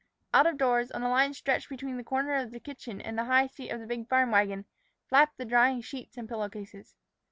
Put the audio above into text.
Out of doors, on a line stretched between the corner of the kitchen and the high seat of the big farm wagon, flapped the drying sheets and pillow cases.